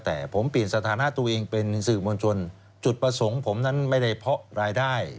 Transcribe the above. แต่ผมเปลี่ยนสถานะตัวเองเป็นสื่อมวลชนจุดประสงค์ผมนั้นไม่ได้เพราะรายได้